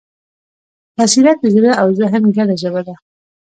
بصیرت د زړه او ذهن ګډه ژبه ده.